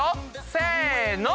せの！